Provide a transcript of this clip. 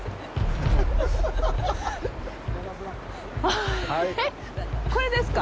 あっ、これですか？